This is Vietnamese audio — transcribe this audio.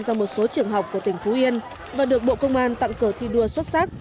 ra một số trường học của tỉnh phú yên và được bộ công an tặng cờ thi đua xuất sắc